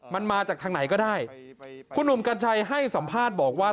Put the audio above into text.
มันมาจากทางไหนก็ได้คุณหนุ่มกัญชัยให้สัมภาษณ์บอกว่า